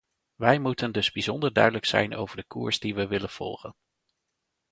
Wij moeten dus bijzonder duidelijk zijn over de koers die we willen volgen.